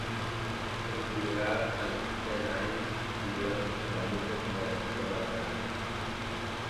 En su llegada al "xeneize" siguió desempeñándose como defensor lateral.